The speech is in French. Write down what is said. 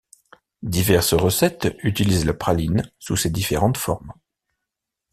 Diverses recettes utilisent la praline sous ses différentes formes.